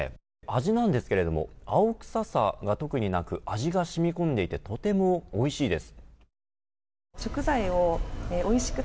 味なんですけれども青臭さが特になく味がしみ込んでいてとてもおいしいです。